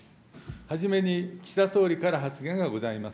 初めに岸田総理から発言がございます。